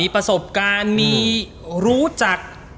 ประสบการณ์มีรู้จัก